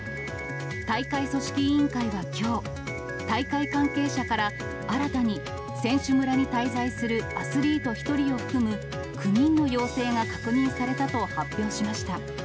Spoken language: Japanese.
大会組織委員会はきょう、大会関係者から新たに選手村に滞在するアスリート１人を含む９人の陽性が確認されたと発表しました。